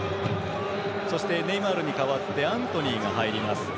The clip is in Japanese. そしてネイマールに代わってアントニーも入ります。